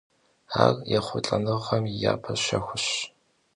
Ар ехъулӀэныгъэм и япэ щэхущ.